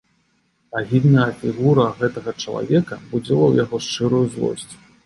Агідная фігура гэтага чалавека будзіла ў яго шчырую злосць.